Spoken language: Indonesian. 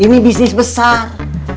ini bisnis besar